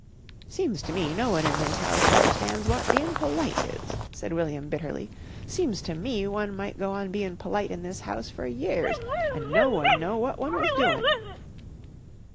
"Seems to me no one in this house understands wot bein' p'lite is," said William bitterly. "Seems to me one might go on bein' p'lite in this house for years an' no one know wot one was doin'."